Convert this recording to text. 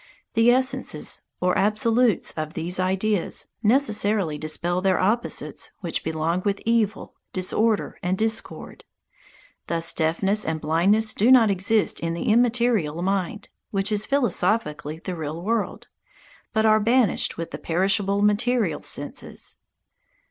The essences, or absolutes of these ideas, necessarily dispel their opposites which belong with evil, disorder and discord. Thus deafness and blindness do not exist in the immaterial mind, which is philosophically the real world, but are banished with the perishable material senses.